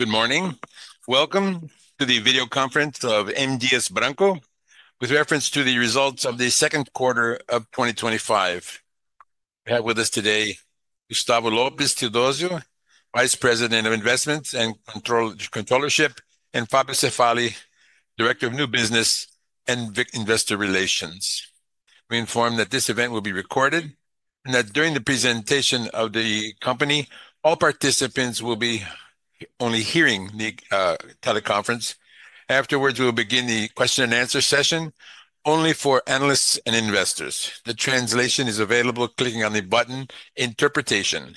Good morning. Welcome to the video conference of MDS Branco with reference to the results of the 2025. We I have with us today Gustavo Lopez Tidozio, Vice President of Investments and Controllership and Fabrice Fali, Director of New Business and Investor Relations. We inform that this event will be recorded and that during the presentation of the company, all participants will be only hearing the teleconference. Afterwards, we will begin the question and answer session only for analysts and investors. The translation is available clicking on the button interpretation.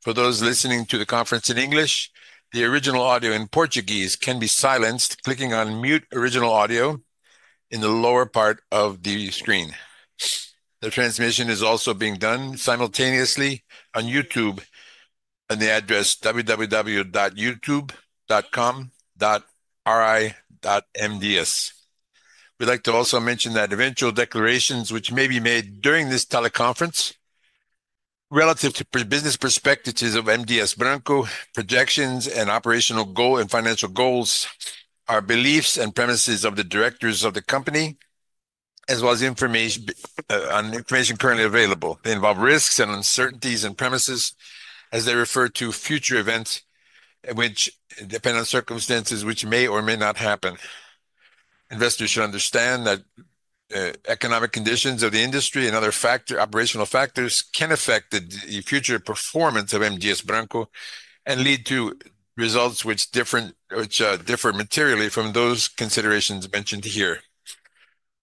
For those listening to the conference in English, the original audio in Portuguese can be silenced clicking on mute original audio in the lower part of the screen. The transmission is also being done simultaneously on YouTube and the address www.youtube.com.ri.mds. We'd like to also mention that eventual declarations, which may be made during this teleconference relative to business perspectives of MDS Branco, projections and operational goal and financial goals, are beliefs and premises of the directors of the company as well as information on information currently available. They involve risks and uncertainties and premises as they refer to future events, which depend on circumstances which may or may not happen. Investors should understand that economic conditions of the industry and other factor operational factors can affect the future performance of MDS Branco and lead to results which differ materially from those considerations mentioned here.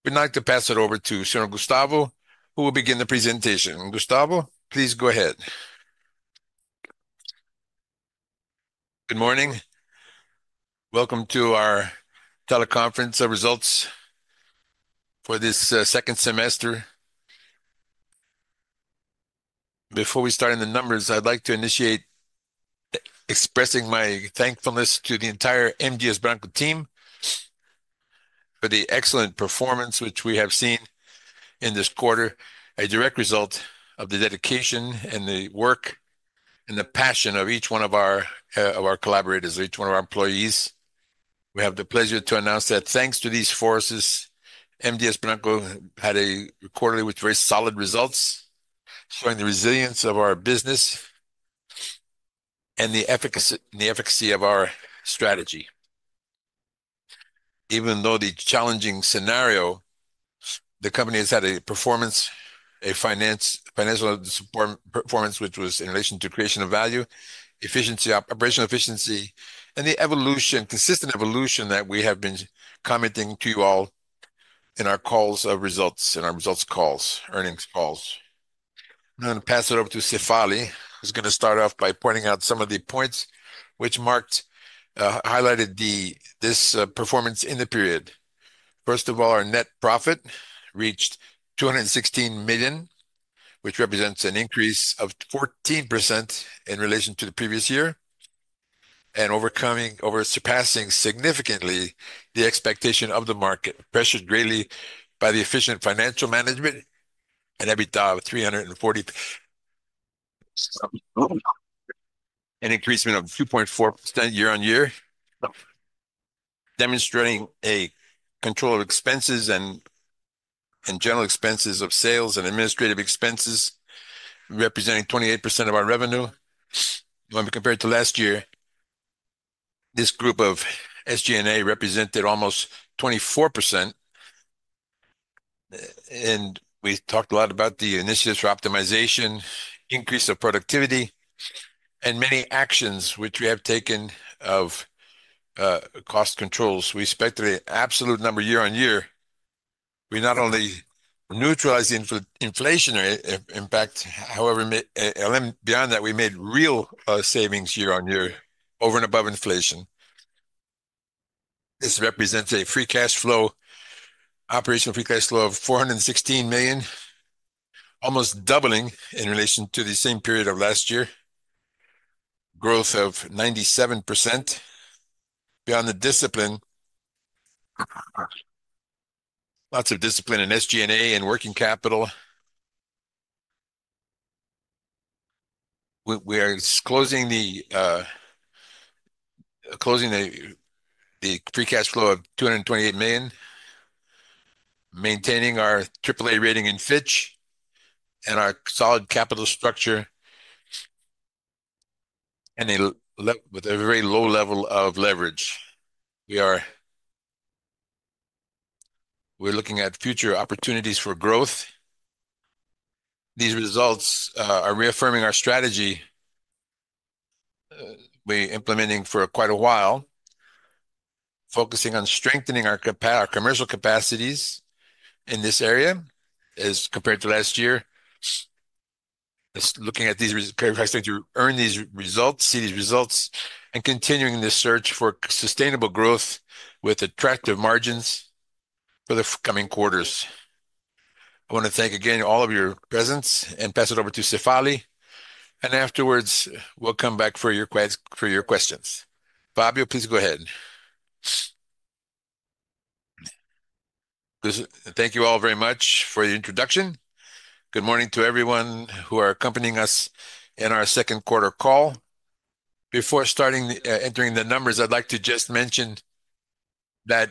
I'd like to pass it over to Senator Gustavo, who will begin the presentation. Gustavo, please go ahead. Good morning. Welcome to our teleconference results for this second semester. Before we start in the numbers, I'd like to initiate expressing my thankfulness to the entire MDS Branco team for the excellent performance which we have seen in this quarter, a direct result of the dedication and the work and the passion of each one of our collaborators, each one of our employees. We have the pleasure to announce that thanks to these forces, MDS Pananco had a quarterly with very solid results, showing the resilience of our business and the efficacy of our strategy. Even though the challenging scenario, the company has had a performance, a financial performance, which was in relation to creation of value, operational operational efficiency and the evolution consistent evolution that we have been commenting to you all in our calls results in our results calls, earnings calls. I'm going to pass it over to Sefali, who's going to start off by pointing out some of the points, which marked highlighted this performance in the period. First of all, our net profit reached $16,000,000 which represents an increase of 14% in relation to the previous year and overcoming over surpassing significantly the expectation of the market pressured greatly by the efficient financial management and EBITDA of three forty an increase of 2.4% year on year, demonstrating a controlled expenses and and general expenses of sales and administrative expenses representing 28% of our revenue. When we compare it to last year, this group of SG and A represented almost 24%. And we talked a lot about the initiatives for optimization, increase of productivity, and many actions which we have taken of cost controls. We expected an absolute number year on year. We not only neutralizing inflationary impact, however, beyond that we made real savings year on year over and above inflation. This represents a free cash flow, operational free cash flow of $416,000,000, almost doubling in relation to the same period of last year. Growth of 97% beyond the discipline. Lots of discipline in SG and A and working capital. We are closing the free cash flow of $228,000,000 maintaining our AAA rating in Fitch and our solid capital structure and a with a very low level of leverage. We are we're looking at future opportunities for growth. These results are reaffirming our strategy. We're implementing for quite a while, focusing on strengthening our commercial capacities in this area as compared to last year. Just looking at these I expect to earn these results, see these results, and continuing this search for sustainable growth with attractive margins for the coming quarters. I want to thank again all of your presence and pass it over to Sefali. And afterwards, we'll come back for questions. Fabio, please go ahead. Thank you all very much for the introduction. Good morning to everyone who are accompanying us in our second quarter call. Before starting entering the numbers, I'd like to just mention that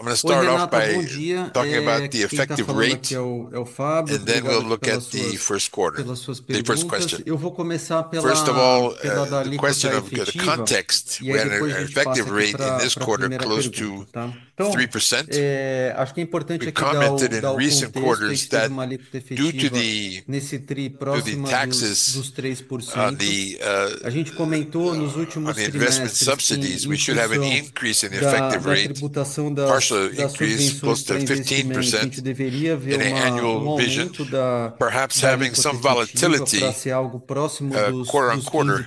I'm going to start off by talking about the effective rate, and then we'll look at the first quarter, the first question. First of all, a question of the context. We had an effective rate in this quarter close to 3%. We commented in recent quarters that due to the taxes investment subsidies, we should have an increase in the effective rate, partial increase close to 15% in an annual vision, perhaps having some volatility quarter on quarter,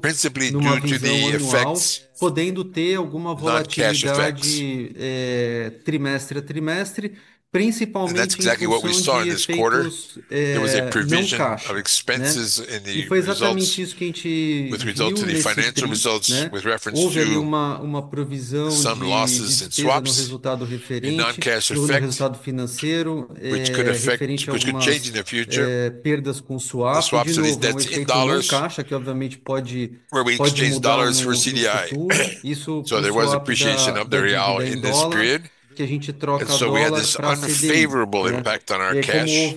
principally due to the effects. And that's exactly what we saw in this quarter. It was a provision of expenses in The U. Results financial results with reference to some losses in swaps in noncash effects, which could affect which could change in the future. Swaps of these debts in dollars where we exchanged dollars for CDI. So there was appreciation of the real in this period. And so we had this unfavorable impact on our cash,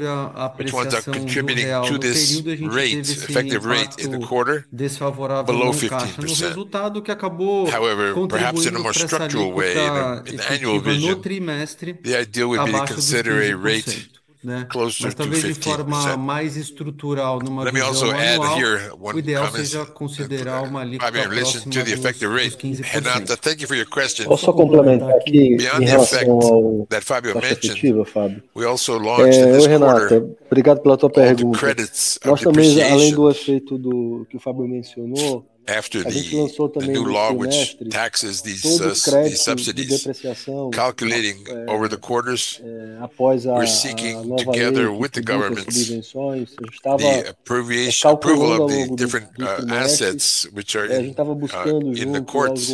which winds up contributing to this rate, effective rate in the quarter below 15%. However, perhaps in a more structural way, in the annual vision, idea the would be to consider a rate closer to 15%. Let me also add here one comment. Fabio, listen to the effective rate. Fernando, thank you for your question. We also launched this quarter credits after the new law which taxes these these subsidies, calculating over the quarters, we're seeking together with the governments the approviation approval of the different assets which are in the courts.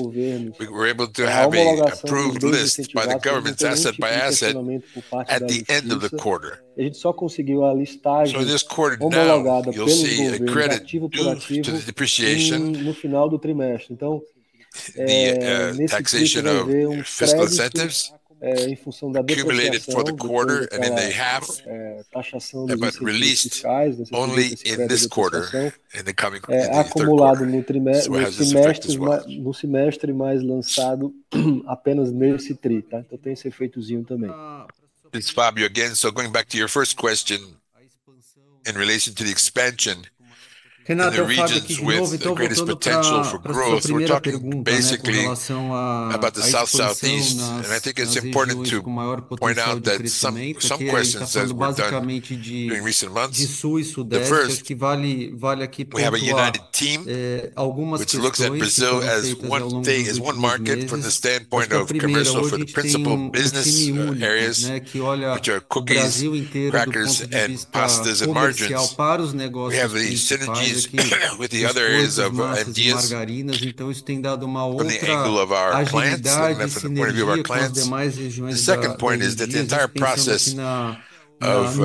We were able to have a approved list by the government's asset by asset at the end of the quarter. So this quarter now, you'll see a credit to to the depreciation. The taxation of fiscal incentives accumulated for the quarter and then they have and but released only in this quarter in the coming quarter. This is Fabio again. So going back to your first question in relation to the expansion in the regions with the greatest potential for growth. We're talking basically about the South Southeast, and I think it's important to point out that some questions have been done during recent months. The first, we have a united team, which looks at Brazil as one day as one market from the standpoint of commercial for the principal business areas, which are cookies, crackers, and pastas and margarines. We have the synergies with the other areas of ideas from the angle of our clients segment from the point of view of our clients. The second point is that the entire process of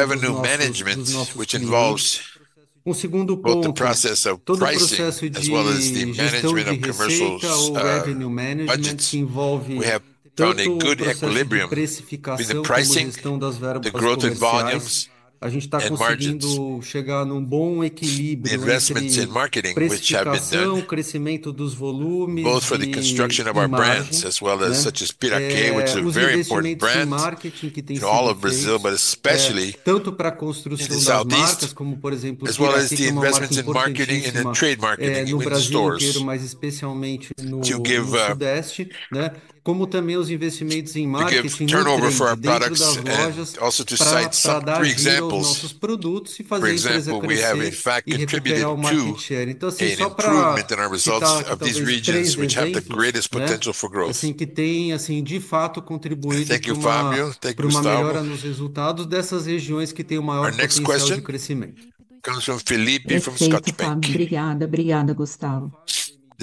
revenue management, which involves both the process of pricing as well as the management of commercial's revenue management, we have done a good equilibrium with the pricing, the growth in volumes and margins,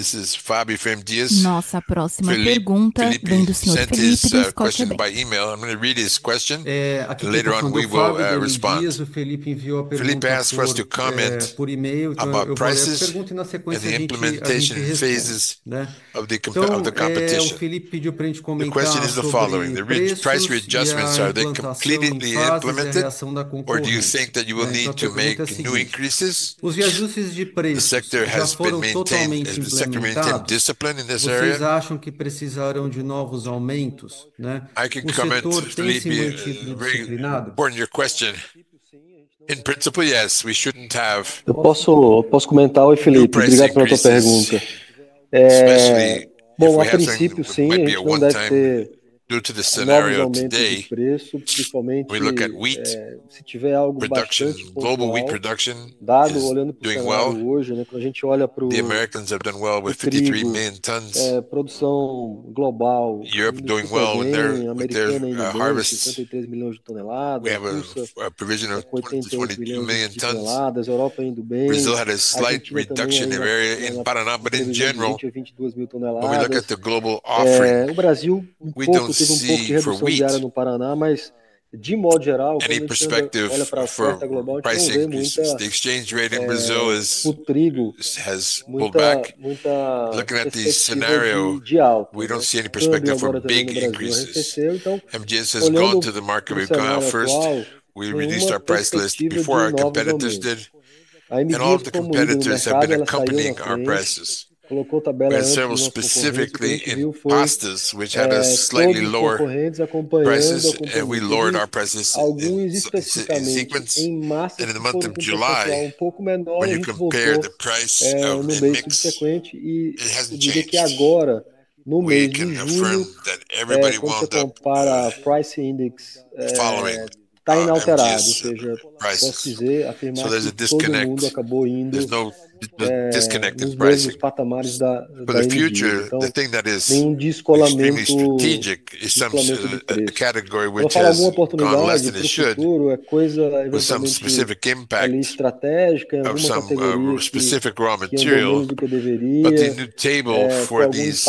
see for weeks any perspective from pricing. The exchange rate in Brazil is has pulled back. Looking at these scenario, we don't see any perspective for big increases. MGS has gone to the market. We've got out first. We released our price list before our competitors did, and all of the competitors have been accompanying our prices. We had several specifically in pastas, which had a slightly lower prices, and we lowered our prices sequence. And in the month of July, when you compare the price of the mix. It has changed. We can confirm that everybody want them. Price index The following. So there's a disconnect. There's no disconnect in pricing. But the future, the thing that is extremely strategic is some sort of a category which has gone less than it should with some specific impact of some specific raw material, but in the table for these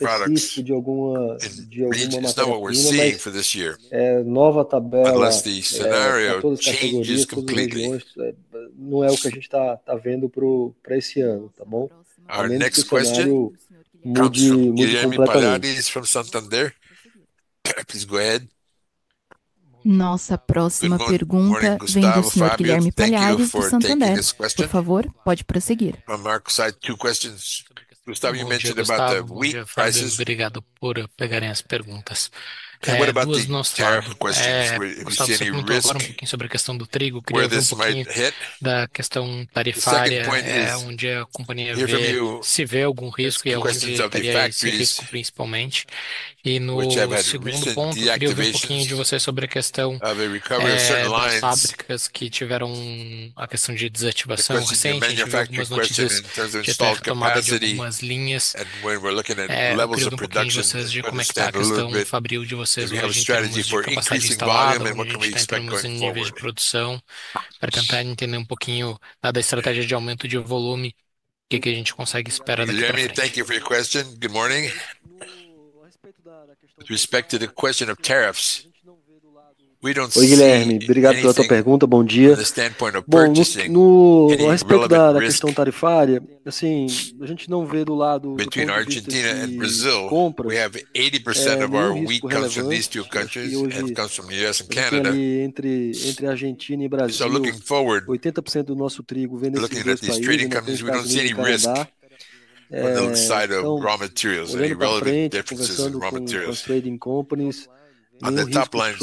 products, which is not what we're seeing for this year unless the scenario changes completely. Our next question comes from Santander. Please go ahead. Jeremy, thank you for your question. Good morning. With respect to the question of tariffs, we don't see the standpoint of purchasing between Argentina and Brazil, we have 80% of our wheat comes from these two countries and comes from US and Canada. So looking forward We're looking at these trading companies, we don't see any risk outside of raw materials, any relevant differences in raw materials. Trading companies. On the top line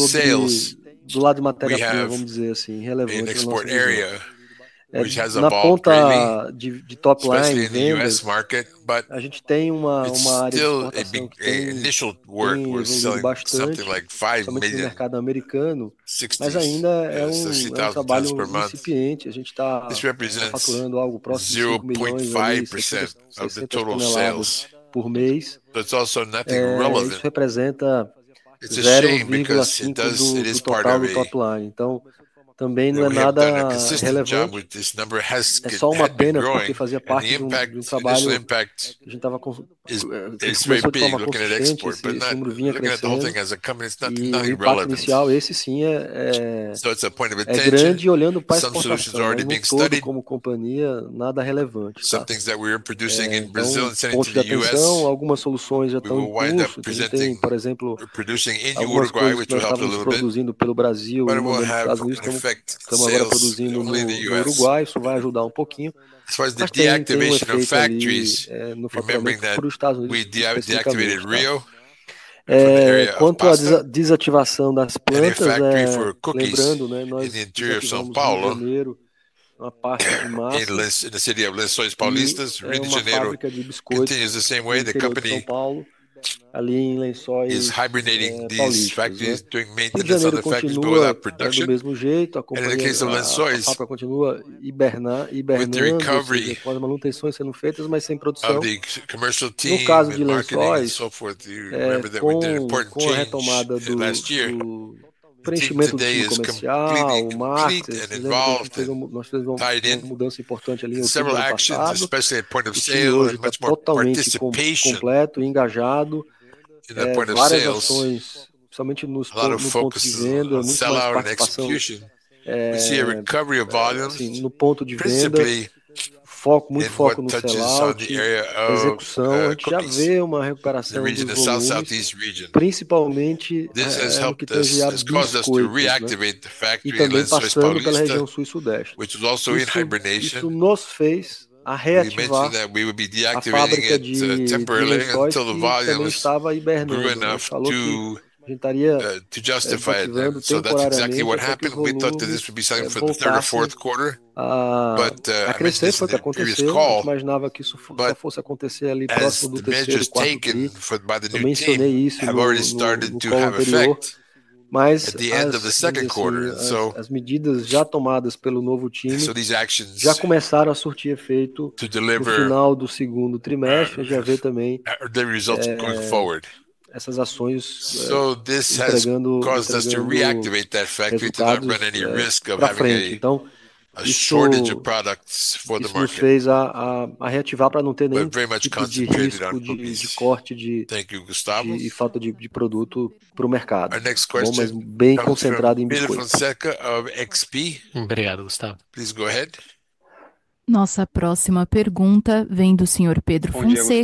sales blood materials in export area, which has a ball the top line in The US market. But initial work was selling something like 5,000,000 million dollars per month. This represents 0.5% of the total sales. But it's also nothing relevant. We wind up presenting we're producing in Uruguay, which will help a little bit. But it will have an effect sales, normally, The US. As far as the deactivation of factories, remembering that we deactivated Rio. Factory for cookies in the interior of Sao Paulo in the city of Les Sois, Palistas, Rio De Janeiro continues the same way. The company is hibernating these factories, doing maintenance and other factories without production. And in the case of Les Sois, area of the region South Southeast region. This has helped us this caused us to reactivate the factory in Swiss Polynesia is also in hibernation. To North Face mentioned that we would be deactivating it temporarily until the volumes grew enough to to justify it. So that's exactly what happened. We thought that this would be something for the third or fourth quarter. But previous call. But measures taken for by the new team have already started to have effect at the end of the second quarter. So So these actions deliver are the results going forward? So this has caused us to reactivate that factory to not run any risk of having a shortage of products for the market. We're very much concentrated on this. Our next question is Peter Fonseca of XP. Please go ahead.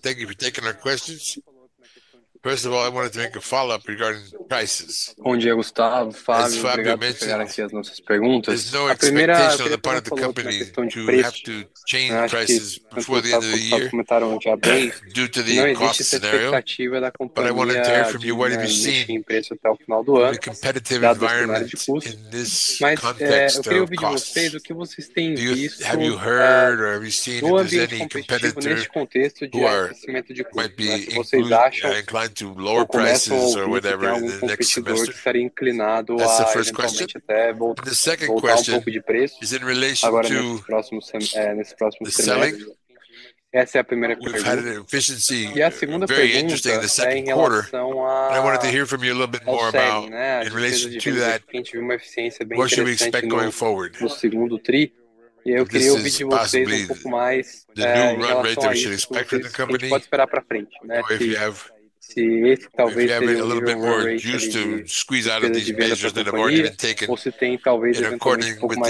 Thank you for taking our questions. First of all, I wanted to make a follow-up regarding prices. There's no expectation on the part of the company who have to change prices before the end of the year due to the cost scenario. But I wanted to hear from you what have you seen The second question is in relation to had an efficiency. Very interesting this quarter. I wanted to hear from you a little bit more about in relation to that, what should we expect going forward? The new run rate that we should expect from the company Or if you have little bit more used to squeeze out of these measures that have already taken. According to my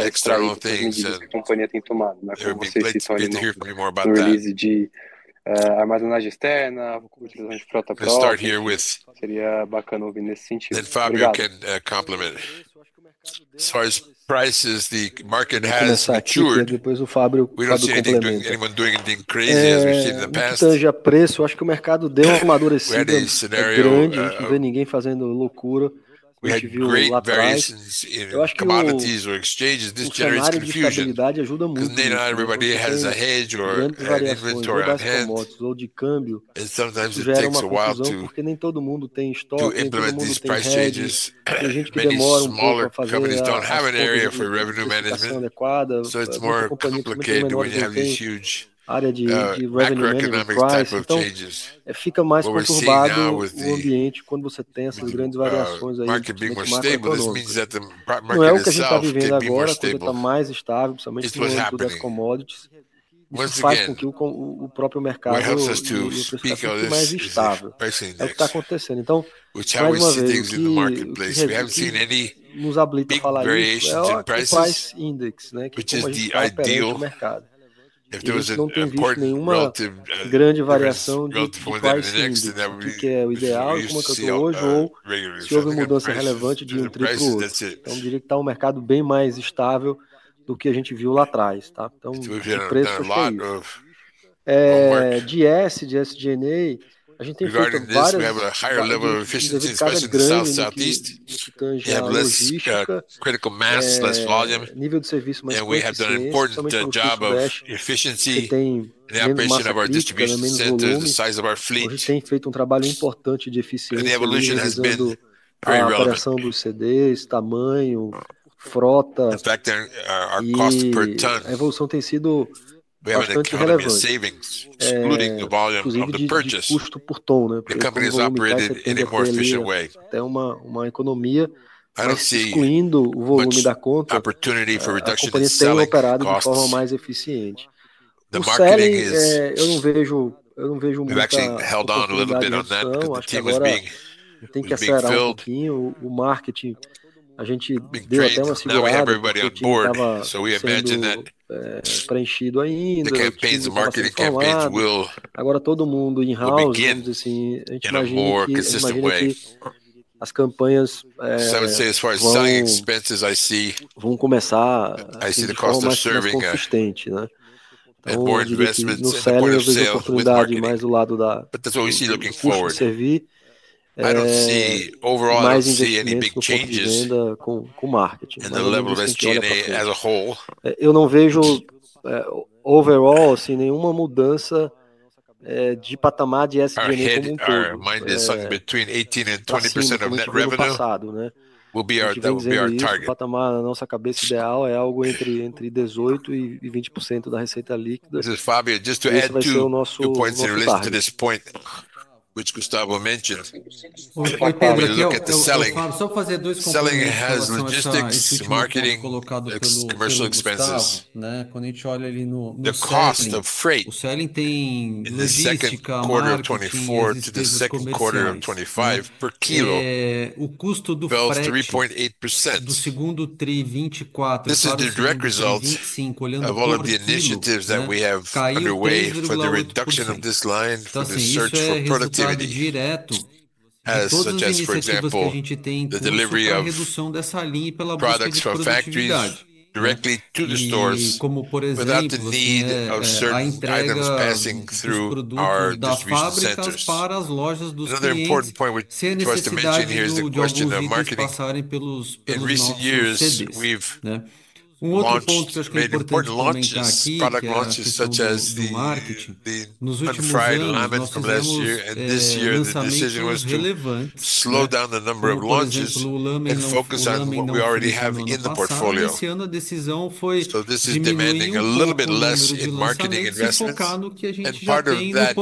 external things. Hear from you more about start here with Then Fabio can complement. As far as prices, the market has matured. We see anyone doing anyone doing anything crazy as we've seen in the past. We create various commodities or exchanges. This generates confusion. Because they not everybody has a hedge or inventory on hand. And sometimes it takes a while to to implement these price changes. Maybe smaller companies don't have an area for revenue management, So it's more complicated when you have these huge macroeconomic type of changes. What we're seeing now with the Market being more stable. Means that the We have less critical mass, less volume, and we have done an important job of efficiency and the operation of our distribution center, the size of our fleet. And the evolution has been very relevant. In fact, our cost per ton, we have an economy of savings excluding the volume of the purchase. The company is operated in a more efficient way. I see opportunity for reduction in selling costs. The marketing is We've We've actually held on a little bit on that team as big I think I said filled big trades. Now we have everybody on board. So we imagine that the campaigns the marketing campaigns will begin in a more consistent way. So I would say as far as selling expenses, I see I see the cost of serving. And board investments and board of sale with parking. But that's what we see looking forward. I don't see overall, I don't see any big changes in the level of SG and A as a whole. Minus on between eighteen percent and twenty percent of net revenue will be our target. This is Fabio. Just to add to the points in relation to this point, which Gustavo mentioned. When we look at the selling, selling has logistics, marketing, commercial expenses. The cost of freight in the '24 to the '25 per kilo fell 3.8%. This is the direct results of all of the initiatives that we have underway for the reduction of this line for the search for productivity, such as, for example, the delivery of products from factories directly to the stores without the need of certain items passing through our distribution centers. Another important point for us to mention here is the question of marketing. In recent years, we've launched made important launches, product launches such as the Unfried Almond from last year and this year, the decision was to slow down the number of launches and focus on what we already have in the portfolio. So this is demanding a little bit less in marketing investments. And part of that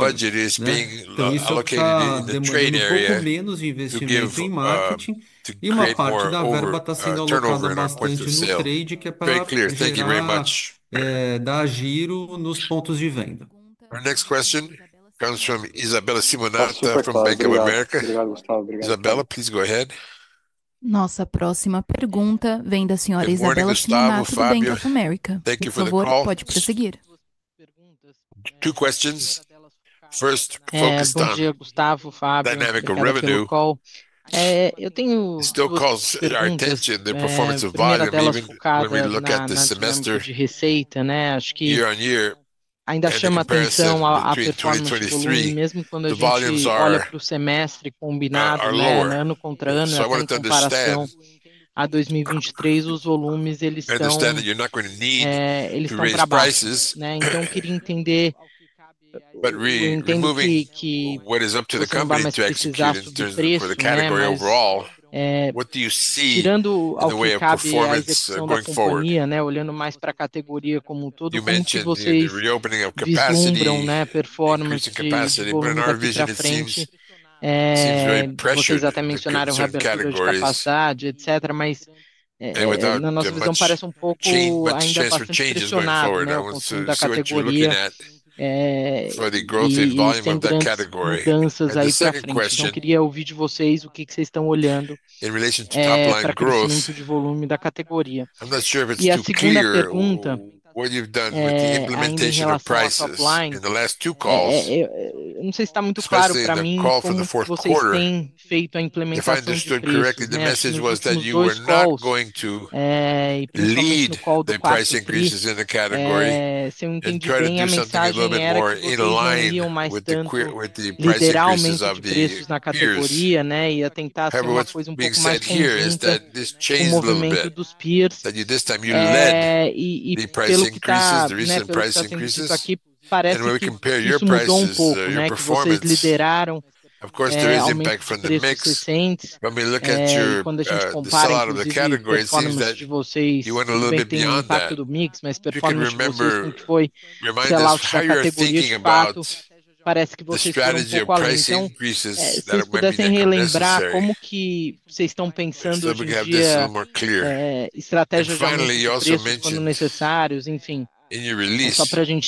budget is being allocated in the trade area to give Our next question comes from Isabella Simonata from Bank of America. Isabella, please go ahead. Thank you for the Two questions. First, focused on dynamic revenue. Still calls our attention impact from the mix. When we look at combined. Lot of the categories. You said went a little bit beyond that. Mix, mister Fond duplex. Your mind is how you're thinking about the strategy of pricing increases that are healing, but I'm So we can have this a little more your release direct to the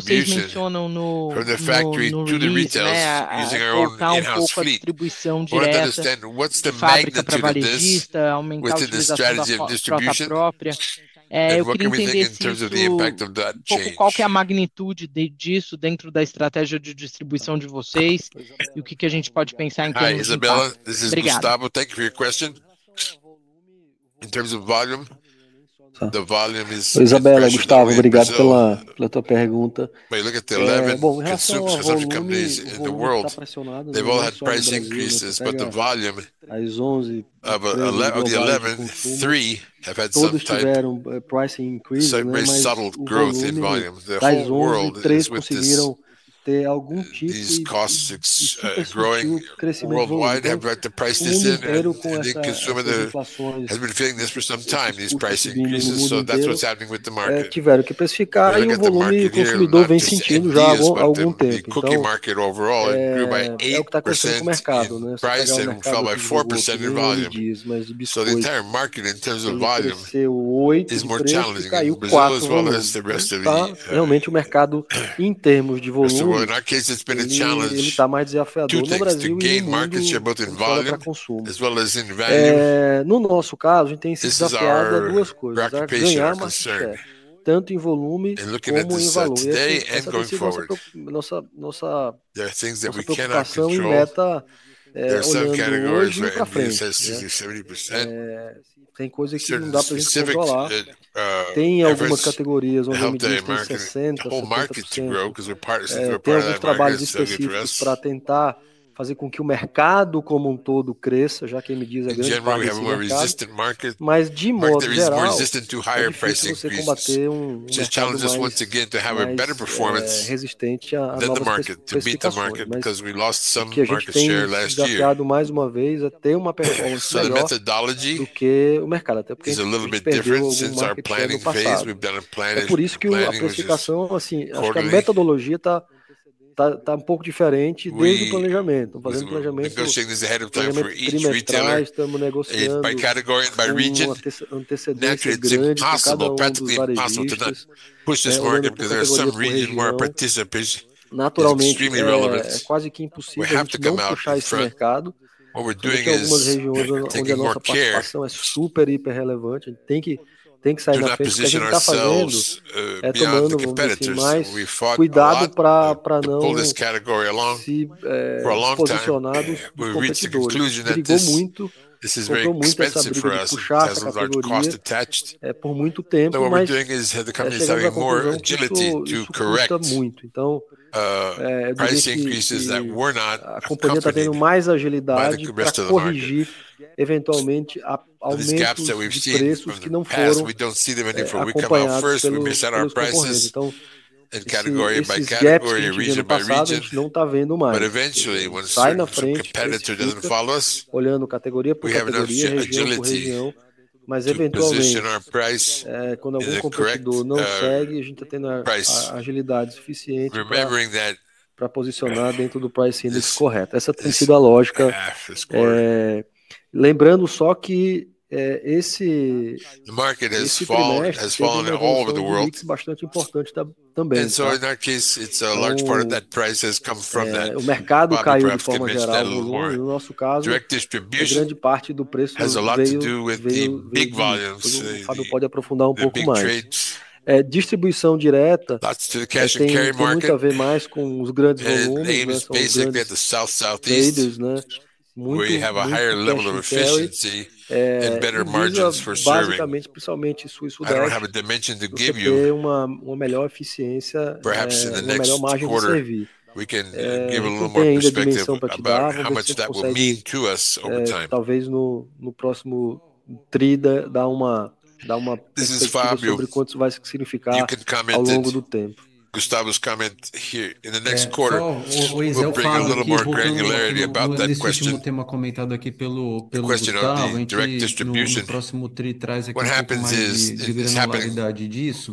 station for the factory to the retails using our own in house fleet. Understand what's the magnitude of this the strategy of distribution. What can we think in terms of the impact of that change? Okay. Isabella, this is Gustavo. Thank you for your question. In terms of volume, the volume is Isabella and Gustavo, got the When you look at the 11 and other companies in the world, they've all had price increases, but the volume of 11 the eleven three have had some type price increase very subtle growth in volume. The whole world is with this. These costs is growing worldwide have brought the prices in, and the consumer has been feeling this for some time, these price increases. So that's what's happening with the market. The cookie market overall, it grew by are things that we cannot control. There are subcategories where everything says 70%. Yeah. Specific is on the market. Whole market to grow we're part that. That. Generally, we have a more resistant market. Resistant to higher pricing space. So it challenges once again to have a better is extremely relevant. We have to come out from What we're doing is more care. Super. The company is having more agility to correct price increases that we're not by the rest of the market. These gaps that we've seen the past, we don't see them anymore. We come out first. We miss out our prices in category by category, region by region. But, eventually, when a competitor doesn't follow us, we have enough agility price. Remembering that The market has fallen all over the world. And so in that case, it's a large part of that price has come from that Direct distribution has a lot to do with the big volumes. Lots to the cash and carry market. It aims basically at the South Southeast where you have a higher level of efficiency and better margins for serving. I don't have a dimension to give you. Perhaps in the next quarter, we can give a little more perspective about how much that will mean to us over time. This is Fabio. You could comment it. Gustavo's comment here. In the next quarter, we'll bring a little more granularity about that question. The question on the direct distribution, what happens is happens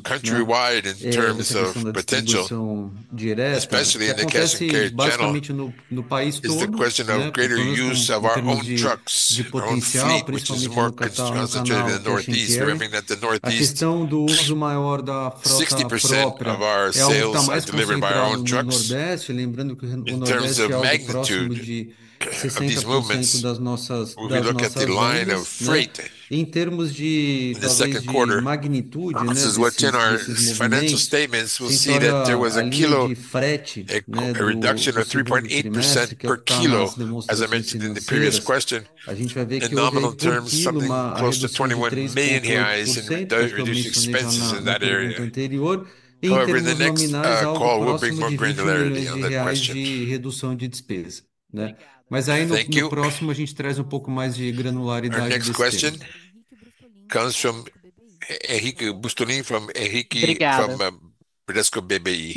countrywide in terms of potential, In terms of magnitude of these movements, we look at the line of freight. In the second quarter, and this is what's in our financial statements, we'll see that there was a a reduction of 3.8% per kilo, as I mentioned in the previous question. In nominal terms, something close to $21,000,000 and does reduce expenses in that area. However, the next call will bring more granularity on that question. Thank you. Question comes from Ehike Bustoni from Ehike from Bradesco Bebe.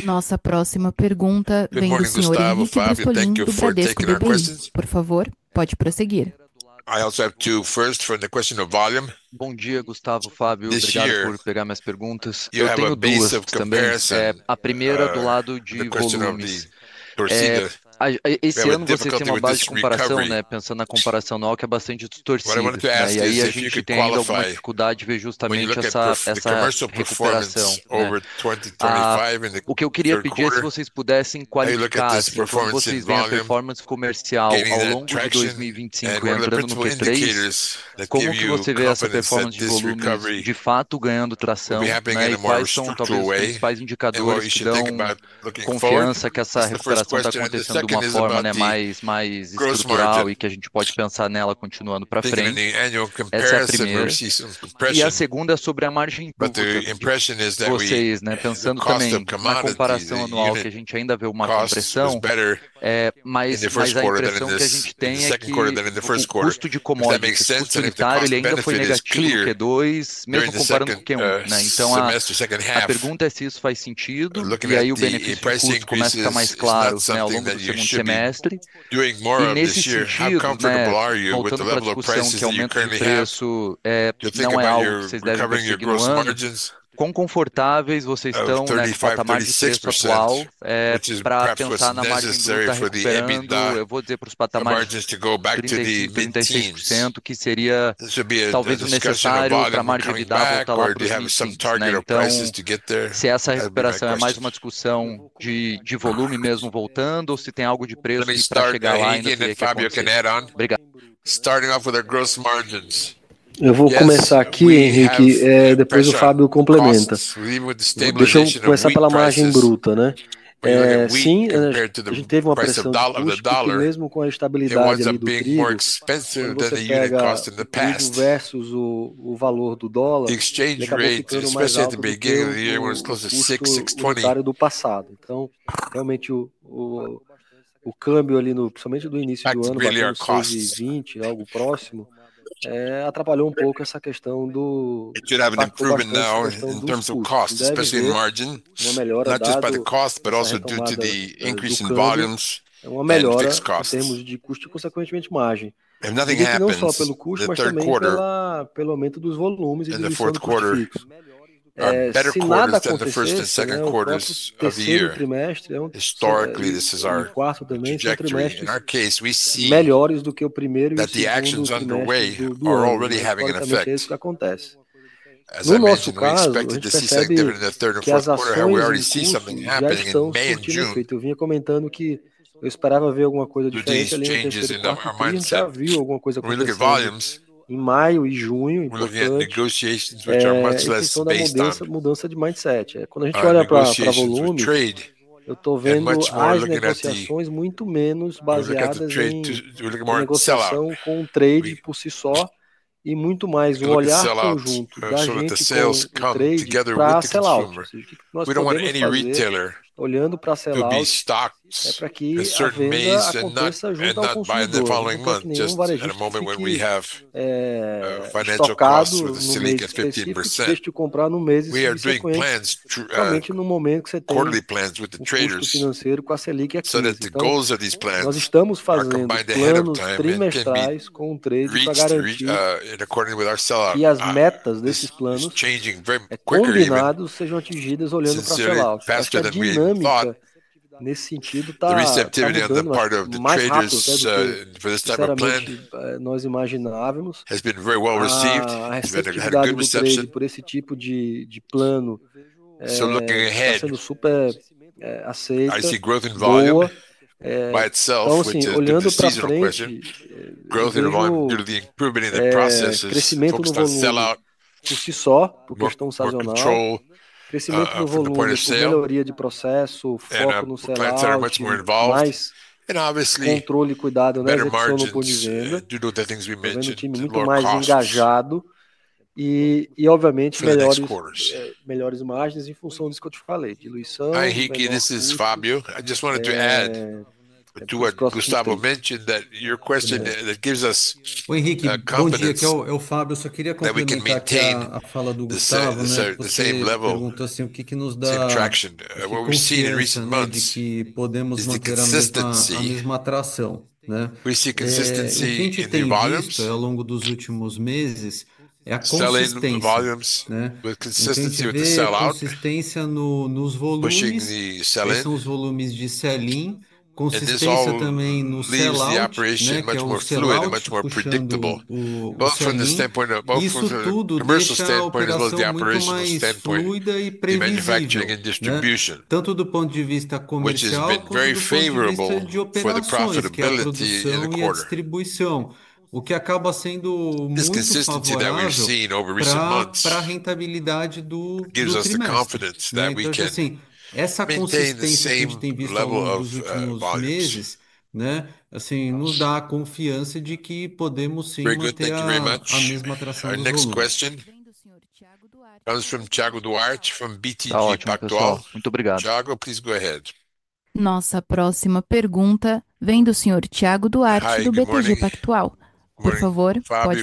I also have two. First, for the question of volume. It's really our cost. It should have an improvement now in terms of cost, especially in margin, not just by the cost, but also due to the increase in volumes and fixed costs. If nothing happens, the third quarter and the fourth quarter to what Gustavo mentioned that your question that gives us confidence that we can maintain the same level, same traction. What we've seen in recent months is consistency in volumes. Selling the volumes with consistency with the sellout. Pushing the which has been very favorable for the profitability in the quarter. This consistency that we've seen over recent months gives us the confidence that we can maintain same level of volumes. Very good. Thank you very much. Our next question comes from Thiago Duarte from BTG Pactual. Thiago, please go ahead. Fabry,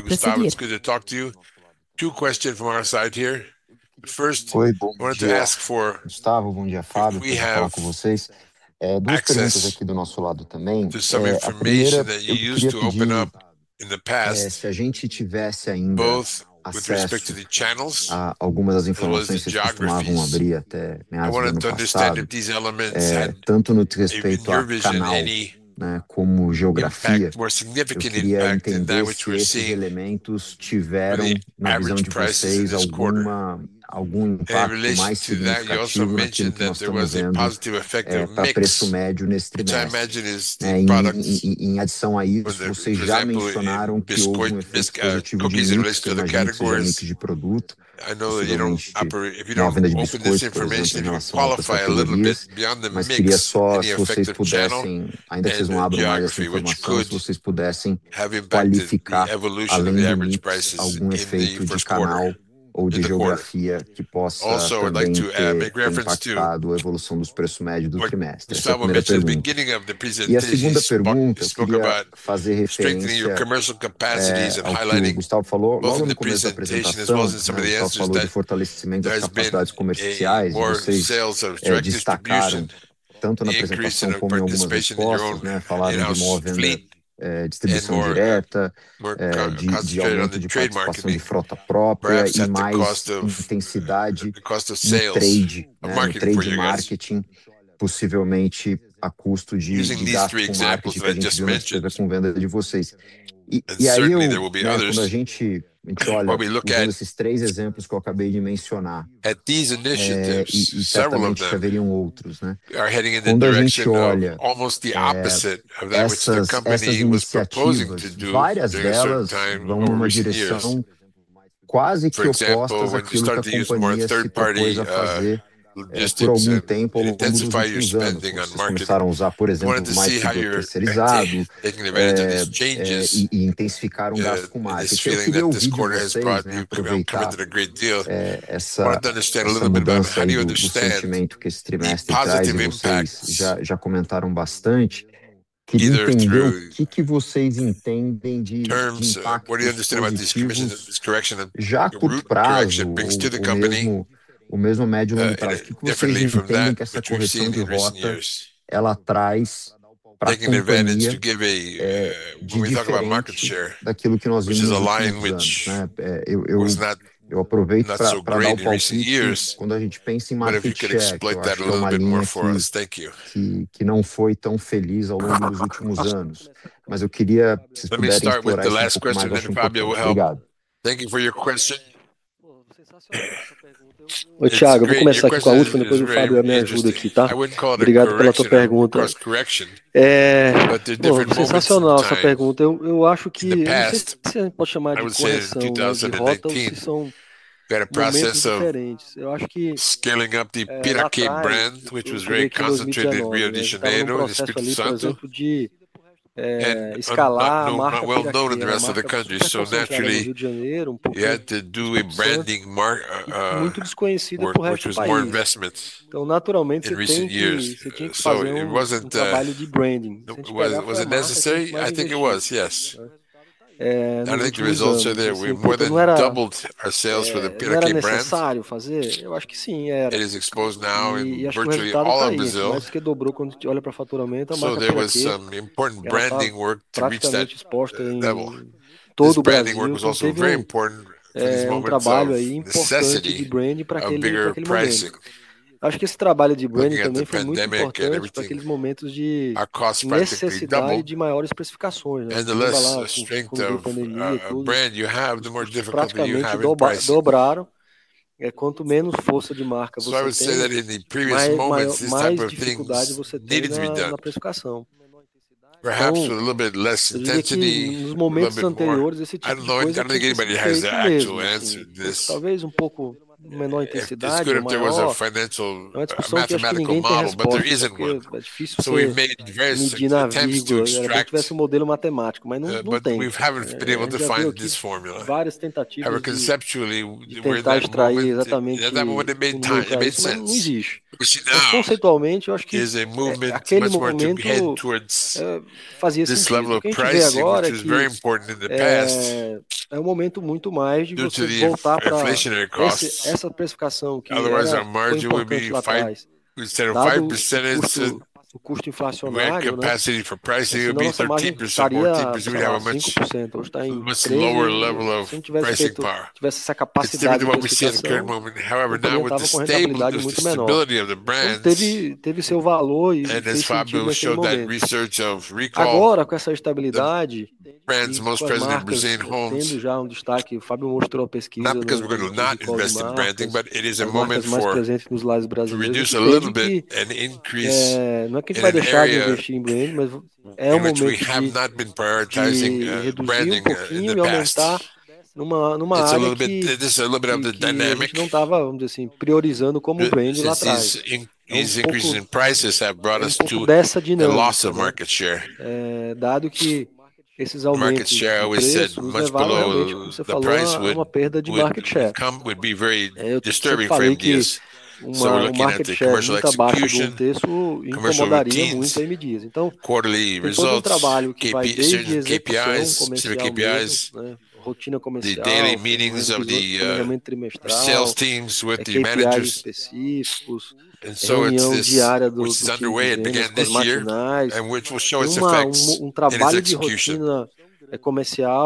Gustavo, it's good to talk to you. Two questions from our side here. First, I wanted to ask for We have to some information that you used to open up in the past both with respect to the channels. Some of things that that these elements and vision were significant impact in that which we're seeing. Certainly, will be others. But we look at at these initiatives, several of them are heading in the direction of almost the opposite Is there anything Terms What do understand about this commission? This is correction. Brings to the company. Years. Taking advantage to give a when we talk about market share is a line which map. It it was that's so great. But if you could explain that a little bit more for us. Thank you. Correction. But the difference is the past. Since 02/2013, better process of scaling up the brand, which was very concentrated in Rio De Janeiro, is Kalamak. Well known in the rest of the country. So, naturally, we had to do a branding mark more which was more investments in recent years. So it wasn't branding. Was it was it necessary? I think it was. Yes. I think the results are there. We more than doubled our sales for the Piriquet brands. It is exposed now in virtually all of Brazil. So there was some important branding work to reach that sports devil. This branding work was also very important at this moment. The necessity of bigger pricing. So we've made various attempts to extract but we haven't been able to find this formula. However, conceptually, we're that would have made time that made sense. Percent. We had capacity for pricing, it would be 13%, more 13%. We have a much lower level of pricing power. Exactly what we see at the current moment. However, not with the stable, the stability of the brands. And as Fabio showed that research of recall most present in Brazilian homes. Not because we're gonna not invest in branding, but it is a moment for to reduce a little bit and increase which we have not been prioritizing branding in the past. It's a little bit of the dynamic. These increases in prices have brought us to the loss of market share.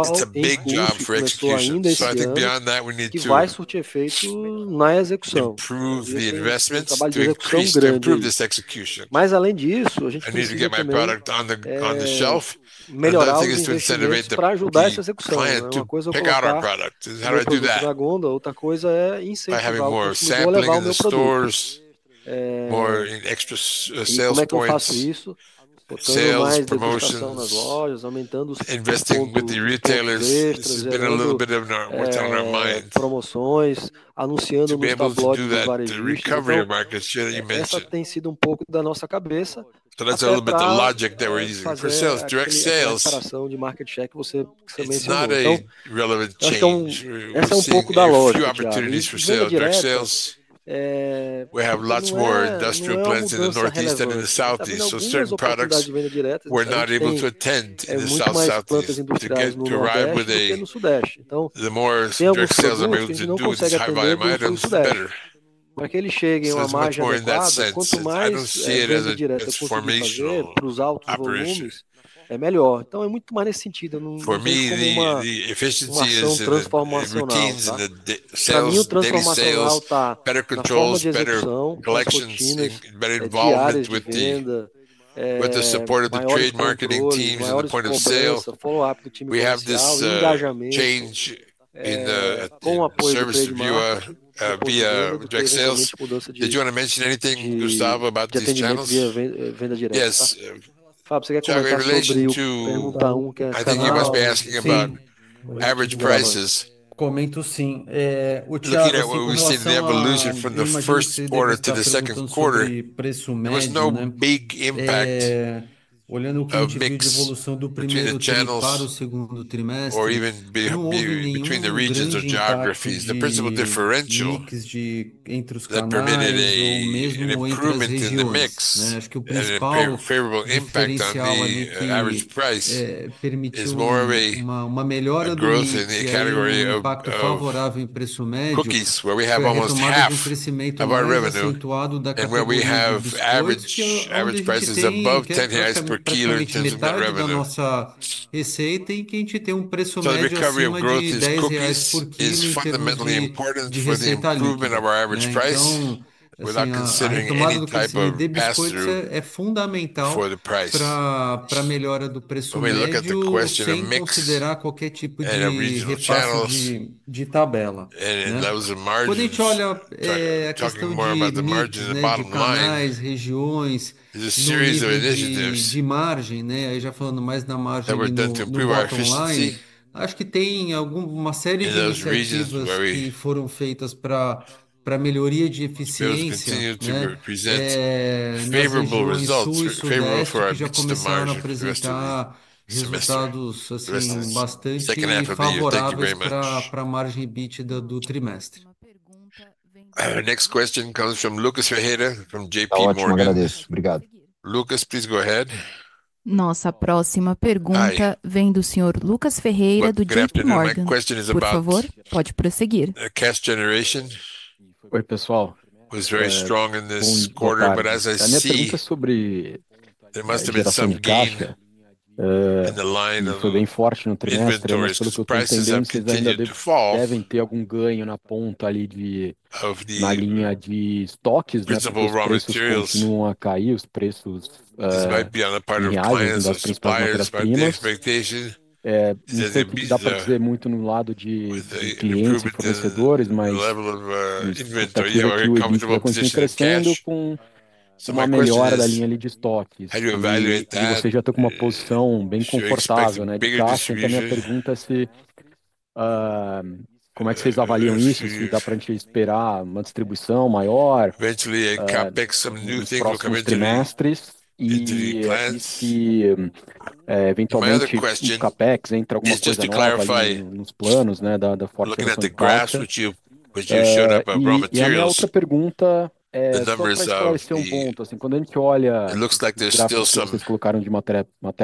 It's a big job for execution. So I think beyond that, we need to improve the investments, to increase, to improve this execution. I need to get my product on the on the shelf. The thing is to incinerate the client to pick out our product. How do I do that? By having more sampling in the stores, more in extra sales points, sales, promotions. Investing with the retailers has been a little bit of we're telling our minds. We have to do that to recover your market share that you mentioned. So that's a little bit the logic that we're using. For sales, direct sales market check. It's not a relevant change. Have few opportunities for sale, direct sales. We have lots more industrial plants in the Northeast than in the collections, better involvement with the with the support of the trade marketing teams and the point of sale. We have this change in the service review via direct sales? Did you wanna mention anything, Gustavo, about these channels? Yes. So in relation to I think you must be asking about average prices. Looking at what we've seen in the evolution from the first quarter to the second quarter, there was no big impact of mix between the channels or even between the regions or geographies. The principal differential that permitted an improvement in the mix has a favorable impact on the average price Our next question comes from Lucas Ferreira from JPMorgan. Lucas, please go ahead. Cash generation was very strong in this quarter. But as I see, must have been some gap in the line Looking at the graphs which you which you showed up on raw materials The numbers are still looks like there's still some more price.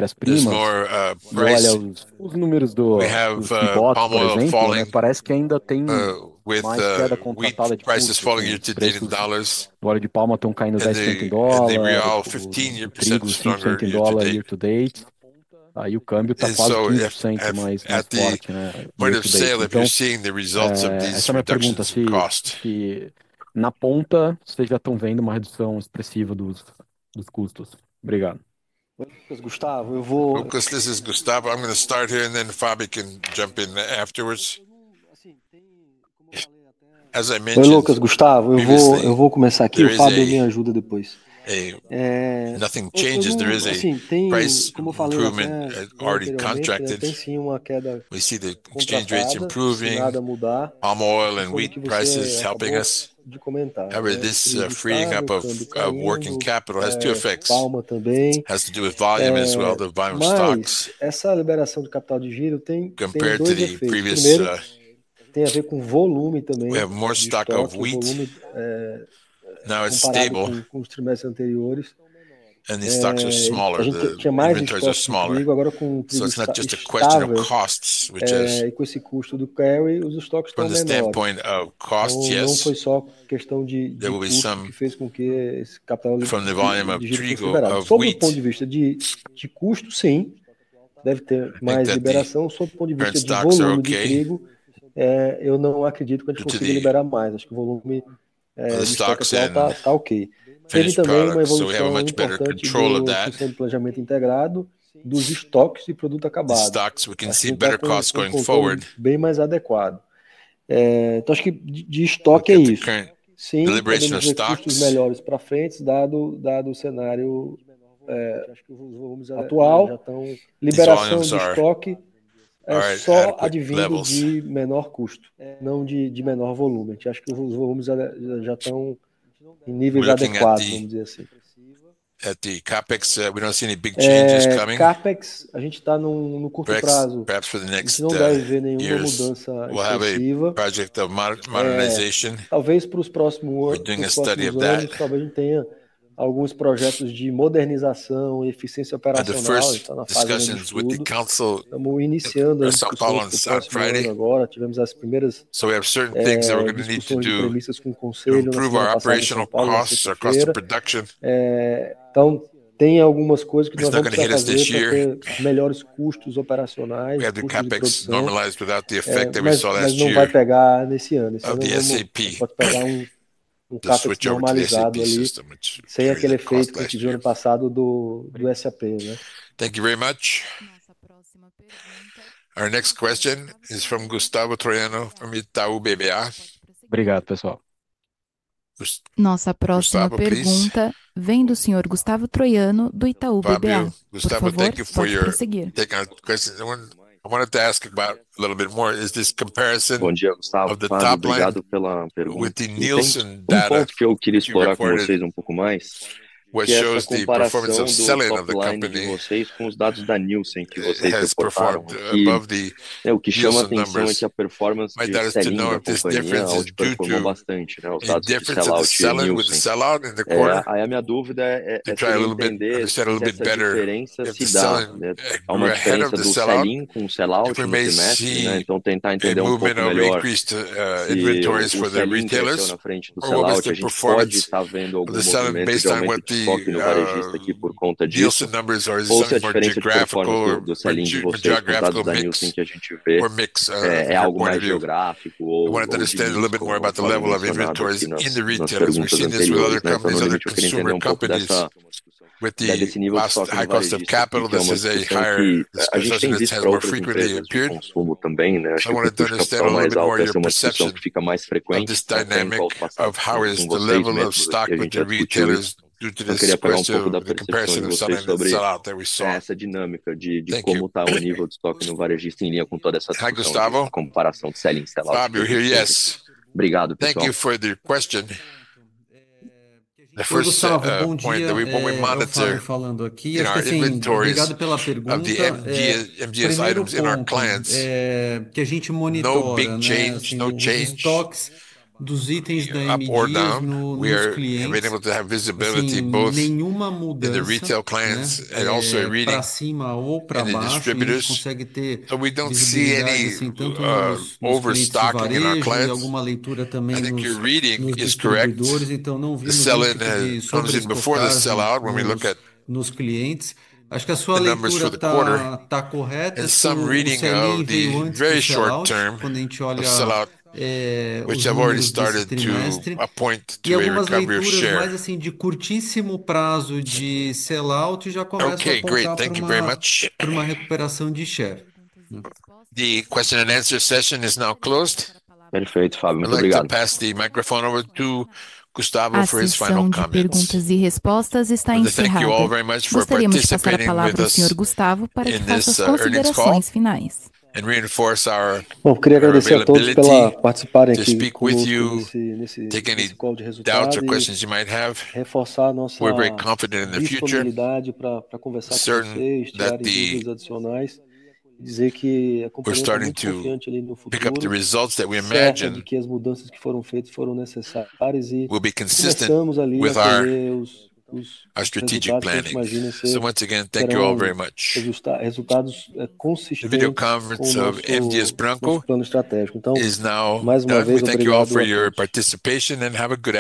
We have palm oil falling prices falling due to date in dollars. They were all 15 percent to date. You can be. If at the of sale if you're seeing the results of these of Lucas, this is Gustavo. I'm gonna start here, and then Fabi can jump in afterwards. Nothing changes. There is a price improvement already contracted. We see the exchange rates improving, palm oil and wheat prices helping us. However, this freeing up of of working capital has two effects. It has to do with volume as well, the volume stocks. Compared to the previous We have more stock of wheat. Now it's stable. And the stocks are smaller. Inventories are smaller. So it's not just a question of costs, which is From the standpoint of costs, yes, there will be some from the volume of of weeks. Brent stocks are okay. The stocks then? Okay. So we have a much better control of that. Stocks, we can see better costs going forward. At the CapEx, we don't see any big changes coming. CapEx Perhaps for the next We'll have a project of modernization. We're doing a study of that. First discussions with the council on Friday. We have certain things that we're gonna need to do improve our operational costs, our cost of production. It's not gonna hit us this year. We had the CapEx normalized without the effect that we saw last year of At the the SAP. Our next question is from Gustavo Toriano from Itau BBA. BBA. Gustavo, thank you for your taking on questions. I wanted to ask about a little bit more. Is comparison of the top line with the Nielsen data shows the performance of selling of the company performed above the due to this The first point that we when we monitor in our inventories of the f g FGS items in our clients. No big change. No change. Up or down. We are able to have visibility both in the retail clients and also in reading and in distributors. So we don't see any overstock in our clients. I think your reading is correct. The sell in comes in before the sell out when we look at the numbers for the quarter and some reading of the very short term which I've already started to appoint to a recovery of share. Okay. Great. Thank you very much. The question and answer session is now closed. And I'll pass the microphone over to Gustavo for We're his final going to see his posters this time. But thank you all very much for participating with us in this earnings call and reinforce our speak with you, take any doubts or questions you might have. We're very confident in the future. Certain that the we're starting to pick up the results that we imagine will be consistent with our our strategic planning. So once again, thank you all very much. Video conference of MTS Branco is now and we thank you all for your participation, and have a good